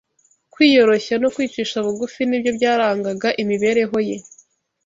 Kwiyoroshya no kwicisha bugufi nibyo byarangaga imibereho ye